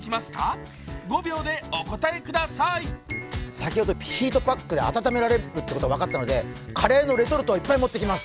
先ほどヒートパックで温められるということが分かったので、カレーのレトルトはいっぱい持っていきます。